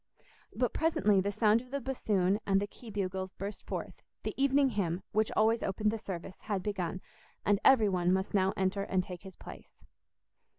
But presently the sound of the bassoon and the key bugles burst forth; the evening hymn, which always opened the service, had begun, and every one must now enter and take his place.